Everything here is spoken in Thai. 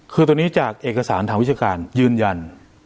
คือตอนนี้จากเอกสารทางวิชาการยืนยัน